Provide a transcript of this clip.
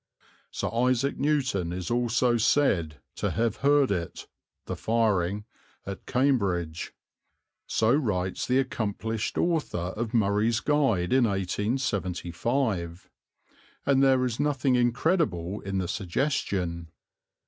"Sir Isaac Newton is also said to have heard it [the firing] at Cambridge." So writes the accomplished author of Murray's Guide in 1875, and there is nothing incredible in the suggestion.